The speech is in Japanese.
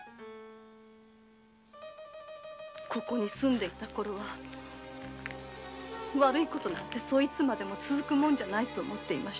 ここに住んでいたころは悪いことなんていつまでも続くものじゃないと思っていました。